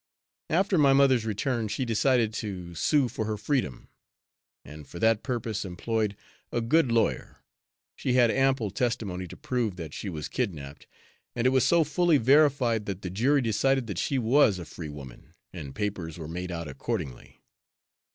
After my mother's return, she decided to sue for her freedom, and for that purpose employed a good lawyer. She had ample testimony to prove that she was kidnapped, and it was so fully verified that the jury decided that she was a free woman, and papers were made out accordingly.